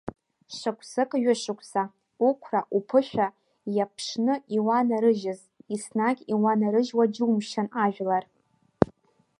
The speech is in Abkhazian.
Шықәсык, ҩышықәса, уқәра, уԥышәа иаԥшны иуанарыжьыз, еснагь иуанарыжьуа џьумшьан ажәлар.